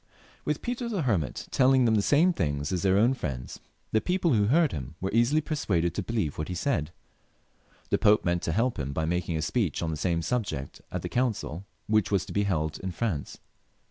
With Peter the Hermit telling them the same things as their own friends, the people who heard him were easily persuaded to believe what he said. The Pope meant to help him by making a speech on the same subject at the council which was to be held in France.